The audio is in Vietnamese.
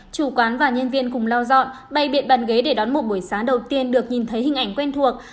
chủ quán và nhân viên cùng lau dọn bày biện bàn ghế để đón một buổi sáng đầu tiên được nhìn thấy hình ảnh quen thuộc